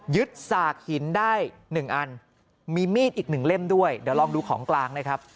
สากหินได้๑อันมีมีดอีกหนึ่งเล่มด้วยเดี๋ยวลองดูของกลางนะครับ